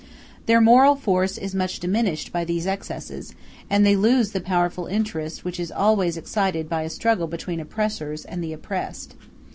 Their moral force is much diminished by these excesses, and they lose the powerful interest which is always excited by a struggle between oppressors and the oppressed.